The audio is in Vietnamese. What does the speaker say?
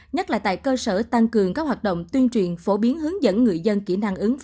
nhất là tại cơ sở tăng cường các hoạt động tuyên truyền phổ biến hướng dẫn người dân